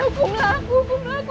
hukumlah aku hukumlah aku